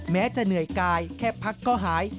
แม้จะเหนื่อยกายแค่พักก็หาย